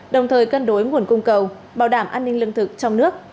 đồng thời cân đối nguồn cung cầu bảo đảm an ninh lương thực trong nước